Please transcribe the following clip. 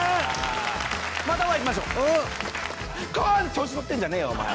調子乗ってんじゃねえよお前。